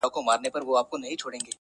په دې ګلونو د لفظونو سنګ باري نۀ کوم